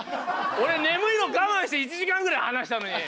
俺眠いの我慢して１時間ぐらい話したのに！